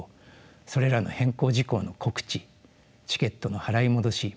それらの変更事項の告知チケットの払い戻し再発売